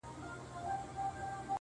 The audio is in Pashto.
o ما وتا بېل كړي سره،